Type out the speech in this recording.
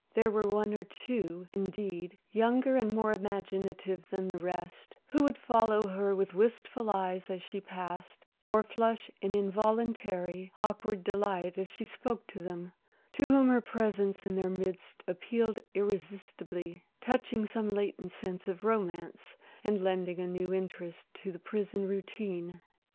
There were one or two, indeed, younger and more imaginative than the rest, who would follow her with wistful eyes as she passed, or flush in involuntary, awkward delight if she spoke to them; to whom her presence in their midst appealed irresistibly, touching some latent sense of romance, and lending a new interest to the prison routine.